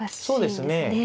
そうですね。